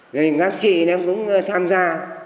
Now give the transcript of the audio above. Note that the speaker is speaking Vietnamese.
rồi các chị nó cũng tham gia